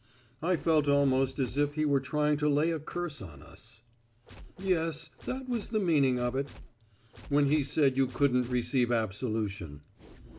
"I felt almost as if he were trying to lay a curse on us." "Yes, that was the meaning of it." "When he said you couldn't receive absolution."